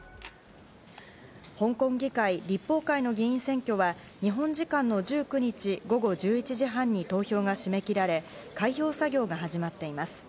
香港議会・立法会の議員選挙は日本時間の１９日午後１１時半に投票が締め切られ開票作業が始まっています。